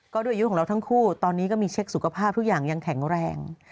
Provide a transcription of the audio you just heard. ก็ด้วยอายุของเราทั้งคู่ตอนนี้ก็มีเช็คสุขภาพทุกอย่างยังแข็งแรง